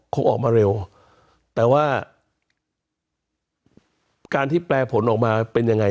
คงออกมาเร็วแต่ว่าการที่แปลผลออกมาเป็นยังไง